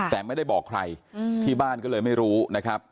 แต่ไม่ได้บอกใครที่บ้านก็เลยไม่รู้นะครับ